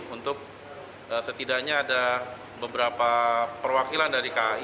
untuk setidaknya ada beberapa perwakilan dari kai